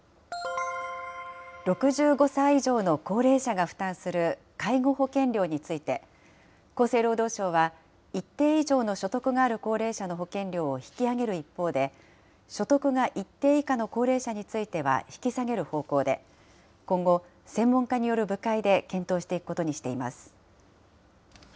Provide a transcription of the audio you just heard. ６５歳以上の高齢者が負担する介護保険料について、厚生労働省は一定以上の所得がある高齢者の保険料を引き上げる一方で、所得が一定以下の高齢者については引き下げる方向で、今後、専門家による部会で検討していくことにしています。